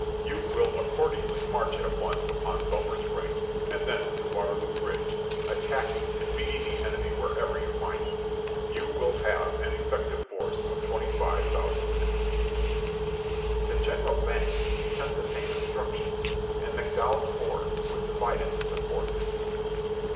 You will accordingly march at once upon Sulphur Springs and thence to Waterloo Bridge, attacking and beating the enemy wherever you find him. You will have an effective force of 25,000 men." To General Banks he sent the same instructions, and McDow ell's corps was divided to support this movement.